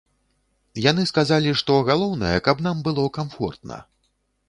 Яны сказалі, што галоўнае, каб нам было камфортна.